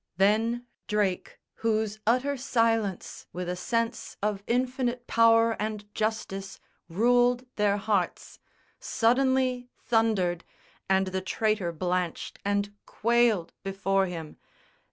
Then Drake, whose utter silence, with a sense Of infinite power and justice, ruled their hearts, Suddenly thundered and the traitor blanched And quailed before him.